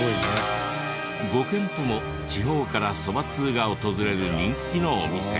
５軒とも地方からそば通が訪れる人気のお店。